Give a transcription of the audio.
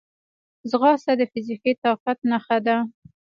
ځغاسته د فزیکي طاقت نښه ده